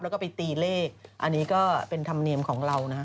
แล้วก็ไปตีเลขอันนี้ก็เป็นธรรมเนียมของเรานะฮะ